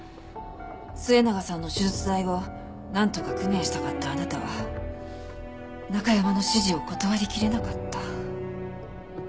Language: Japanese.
末永さんの手術代をなんとか工面したかったあなたはナカヤマの指示を断りきれなかった。